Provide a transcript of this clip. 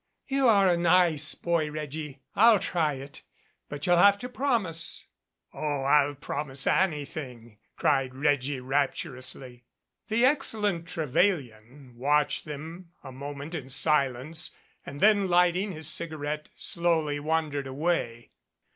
"You are a nice boy, Reggie. I'll try it. But you'll have to promise " "Oh, I'll promise anything," cried Reggie rapturously. The excellent Trevelyan watched them a moment in silence, and then lighting his cigarette slowly wandered away.